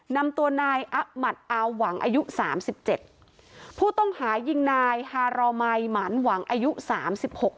นำตัวนายอาหมัดอาหวังอายุสามสิบเจ็ดผู้ต้องหายิงนายฮารอมัยหมานหวังอายุสามสิบหก